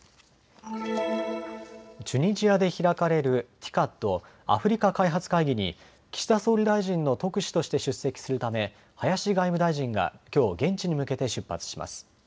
チュニジアで開かれるＴＩＣＡＤ・アフリカ開発会議に岸田総理大臣の特使として出席するため林外務大臣がきょう現地に向けて出発します。